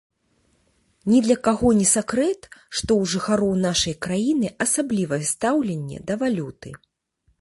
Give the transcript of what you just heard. Ні для каго не сакрэт, што ў жыхароў нашай краіны асаблівае стаўленне да валюты.